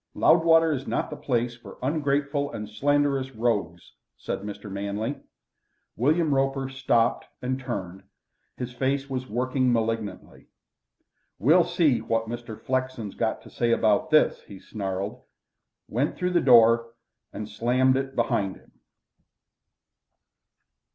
Loudwater is not the place for ungrateful and slanderous rogues," said Mr. Manley. William Roper stopped and turned; his face was working malignantly. "We'll see what Mr. Flexen's got to say about this," he snarled, went through the door, and slammed it behind him.